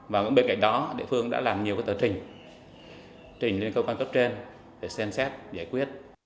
và bên cạnh đó địa phương đã làm nhiều tờ trình trình lên cơ quan cấp trên để xem xét giải quyết